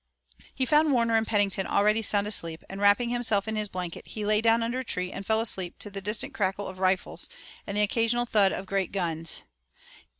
He found Warner and Pennington already sound asleep, and wrapping himself in his blanket he lay down under a tree and fell asleep to the distant crackle of rifles and the occasional thud of great guns.